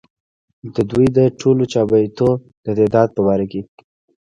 ددوي د ټولو چابېتو د تعداد پۀ باره کښې